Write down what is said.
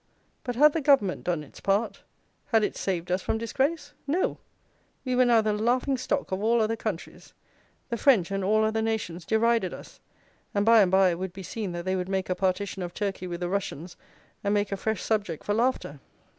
But had the Government done its part; had it saved us from disgrace? No: we were now the laughing stock of all other countries. The French and all other nations derided us; and by and by it would be seen that they would make a partition of Turkey with the Russians, and make a fresh subject for laughter.